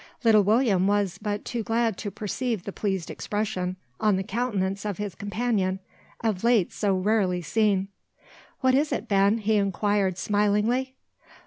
Little William was but too glad to perceive the pleased expression on the countenance of his companion, of late so rarely seen. "What is it, Ben?" he inquired, smilingly.